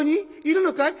いるのかい？